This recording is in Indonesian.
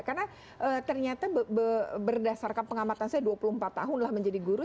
karena ternyata berdasarkan pengamatan saya dua puluh empat tahun lah menjadi guru